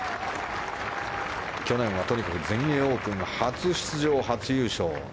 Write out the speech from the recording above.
去年はとにかく全英オープン初出場、初優勝。